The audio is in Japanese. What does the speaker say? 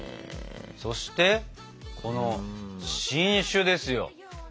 そしてこの新種ですよ。